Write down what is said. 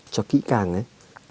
cho kỹ càng ấy